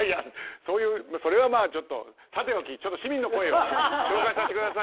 それはさておき市民の声を紹介させてください。